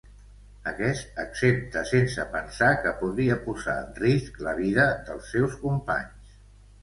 Aquest accepta sense pensar que podria posar en risc la vida dels seus companys.